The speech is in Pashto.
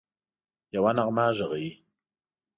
یوه نغمه ږغوي